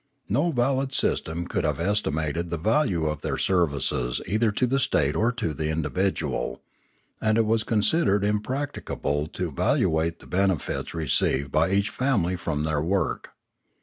No valid system could have estimated the value of their services either to the state or to the individual; and it was considered impracticable to valuate the benefits received by each family from their work.